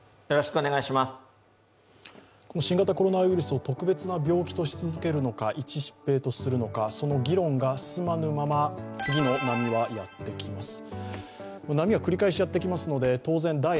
新型コロナウイルスを特別な病気とし続けるのか一疾病とするのか、その議論が進まぬまま次の波はやってきます。